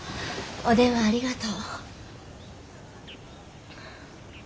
お電話ありがとう。